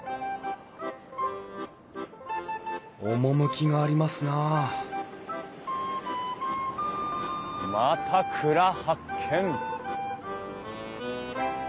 趣がありますなあまた蔵発見！